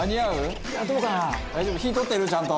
「大丈夫？火通ってる？ちゃんと」